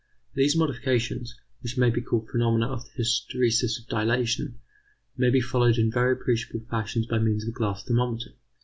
These modifications, which may be called phenomena of the hysteresis of dilatation, may be followed in very appreciable fashion by means of a glass thermometer.